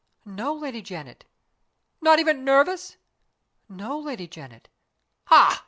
"No, Lady Janet." "Not even nervous?" "No, Lady Janet." "Ha!